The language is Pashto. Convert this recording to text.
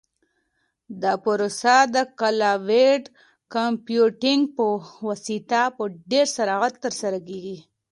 دا پروسه د کلاوډ کمپیوټینګ په واسطه په ډېر سرعت ترسره کیږي.